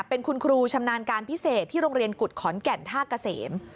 เป็นคุณครูชำนาญการพิเศษที่โรงเรียนกุฎขอนแก่นท่าเกษม